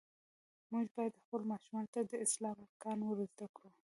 مونږ باید خپلو ماشومانو ته د اسلام ارکان ور زده کړو.